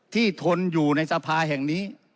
ทนอยู่ในสภาแห่งนี้